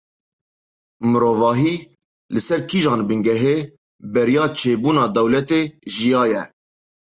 Mirovahî, li ser kîjan bingehê beriya çêbûna dewletê, jiyaye?